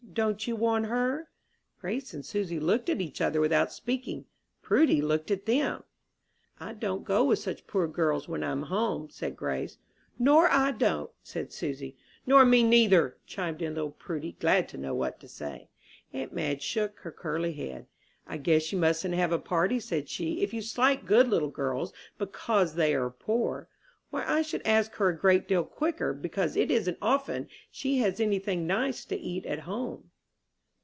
"Don't you want her?" Grace and Susy looked at each other without speaking. Prudy looked at them. "I don't go with such poor girls when I'm home," said Grace. "Nor I don't," said Susy. "Nor me neither," chimed in little Prudy, glad to know what to say. Aunt Madge shook her curly head. "I guess you mustn't have a party," said she, "if you slight good little girls because they are poor. Why, I should ask her a great deal quicker, because it isn't often she has any thing nice to eat at home."